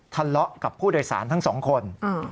ทะเลาะกับผู้โดยสารทั้งสองคน